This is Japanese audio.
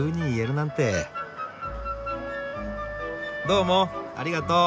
どうもありがとう。